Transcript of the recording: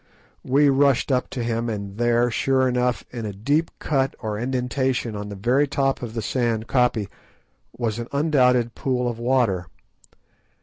We rushed up to him, and there, sure enough, in a deep cut or indentation on the very top of the sand koppie, was an undoubted pool of water.